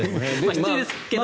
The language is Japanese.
失礼ですけどね。